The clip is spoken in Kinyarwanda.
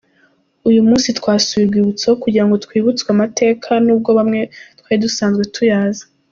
Uyu munsi twasuye urwibutso, kugirango twibutswe amateka n’ubwo bamwe twari dusanzwe tuyazi.